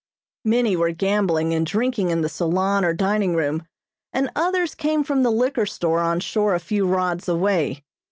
Many were gambling and drinking in the salon or dining room and others came from the liquor store on shore a few rods away.